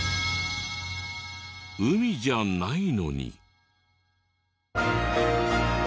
海じゃないのに。